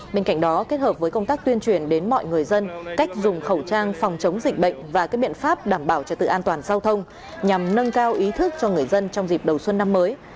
bên cạnh đó kết hợp với công tác tuyên truyền đến mọi người dân cách dùng khẩu trang phòng chống dịch bệnh và các biện pháp đảm bảo cho tự an toàn giao thông nhằm nâng cao ý thức cho người dân trong dịp đầu xuân năm mới